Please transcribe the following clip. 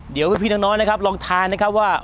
เดี๋ยวพี่น้องนะครับลองทานนะครับว่า